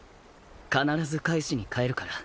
必ず返しに帰るから。